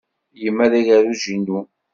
Yemma d agerruj-inu.